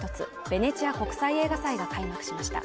ベネチア国際映画祭が開幕しました